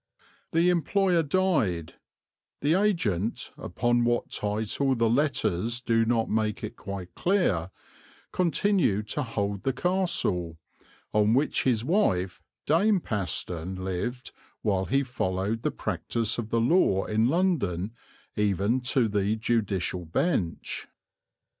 The employer died; the agent, upon what title the letters do not make it quite clear, continued to hold the castle, on which his wife Dame Paston lived while he followed the practice of the law in London even to the judicial bench.